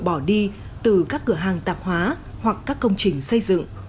bỏ đi từ các cửa hàng tạp hóa hoặc các công trình xây dựng